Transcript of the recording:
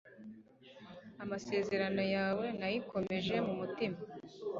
Amasezerano yawe nayikomeje mu mutima